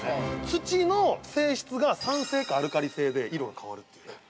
土の性質が酸性かアルカリ性で色が変わるっていう。